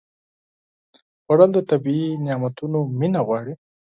خوړل د طبیعي نعمتونو مینه غواړي